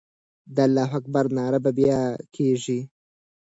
د الله اکبر ناره به بیا کېږي.